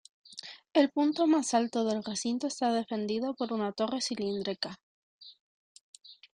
El punto más alto del recinto está defendido por una torre cilíndrica.